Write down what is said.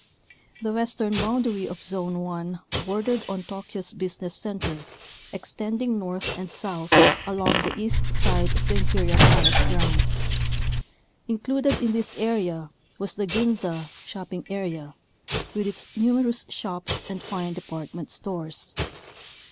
The western boundary of Zone 1 bordered on Tokyo's business center, extending north and south along the east side of the imperial palace grounds. Included in this area was the Ginza (shopping area) with its numerous shops and fine department stores.